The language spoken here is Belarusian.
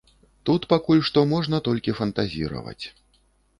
Тут пакуль што можна толькі фантазіраваць.